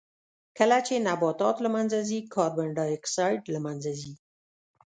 کله چې نباتات له منځه ځي کاربن ډای اکسایډ له منځه ځي.